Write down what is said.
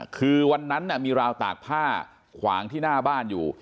คือวันนั้นมีราวตากผ้าขวางที่หน้าบ้านอยู่